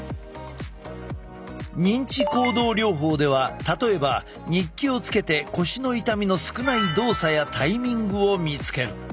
認知行動療法では例えば日記をつけて腰の痛みの少ない動作やタイミングを見つける。